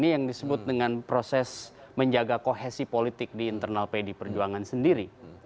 yang disebut dengan proses menjaga kohesi politik di internal pdi perjuangan sendiri